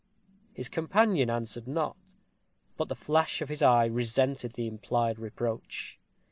His companion answered not. But the flash of his eye resented the implied reproach.